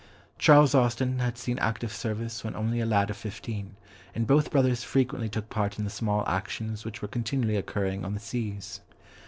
Charles Austen had seen active service when only a lad of fifteen, and both brothers frequently took part in the small actions which were continually occurring on the seas.